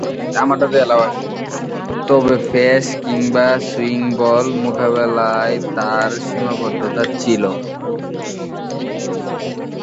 তবে, পেস কিংবা swing ball মোকাবেলায় তার সীমাবদ্ধতা ছিল।